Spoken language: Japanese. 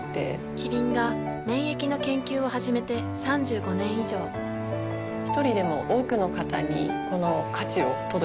キリンが免疫の研究を始めて３５年以上一人でも多くの方にこの価値を届けていきたいと思っています。